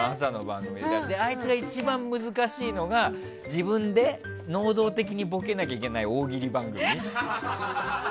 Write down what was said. あいつが一番難しいのが自分で能動的にボケなきゃいけない大喜利番組。